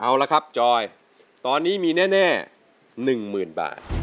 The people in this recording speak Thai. เอาละครับจอยตอนนี้มีแน่๑๐๐๐บาท